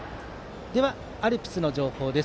では、アルプスの情報です。